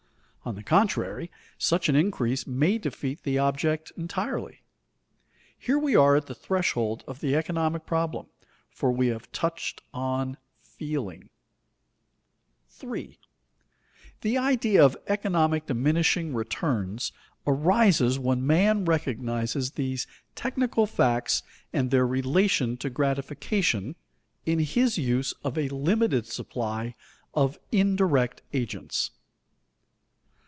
On the contrary, such an increase may defeat the object entirely. Here we are at the threshold of the economic problem, for we have touched on "feeling." [Sidenote: Economic diminishing returns relate to value] 3. _The idea of economic diminishing returns arises when man recognizes these technical facts and their relation to gratification, in his use of a limited supply of indirect agents.